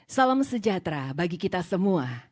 salam sejahtera bagi kita semua